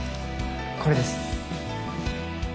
これです。